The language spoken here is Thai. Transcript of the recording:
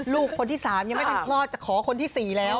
ลูกคนที่๓ยังไม่ทันคลอดจะขอคนที่๔แล้ว